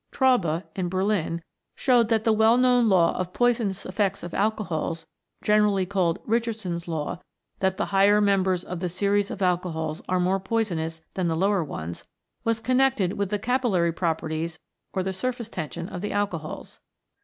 Traube, in Berlin, showed that the well known law of the 41 CHEMICAL PHENOMENA IN LIFE poisonous effects of alcohols, generally called Richardson's Law, that the higher members of the series of alcohols are more poisonous than the lower ones, was connected with the capillary properties or the surface tension of the alcohols.